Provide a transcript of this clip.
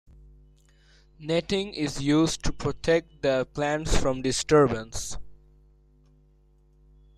Netting is used to protect the plants from disturbance.